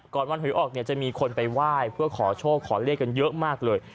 วันหวยออกเนี่ยจะมีคนไปไหว้เพื่อขอโชคขอเลขกันเยอะมากเลย